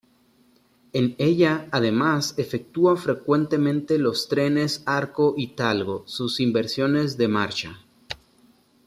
En ella, además, efectúan frecuentemente los trenes Arco y Talgo sus inversiones de marcha.